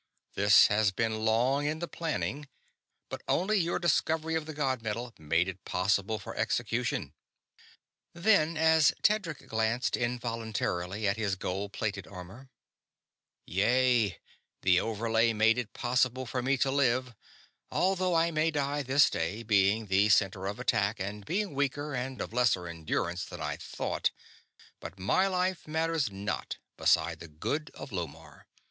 This has been long in the planning, but only your discovery of the god metal made it possible of execution." Then, as Tedric glanced involuntarily at his gold plated armor: "Yea, the overlay made it possible for me to live although I may die this day, being the center of attack and being weaker and of lesser endurance that I thought but my life matters not beside the good of Lomarr.